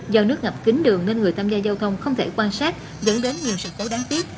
do nước ngập kính đường nên người tham gia giao thông không thể quan sát dẫn đến nhiều sự cố đáng tiếc